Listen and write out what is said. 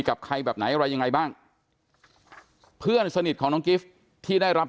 กับใครแบบไหนอะไรยังไงบ้างเพื่อนสนิทของน้องกิฟต์ที่ได้รับ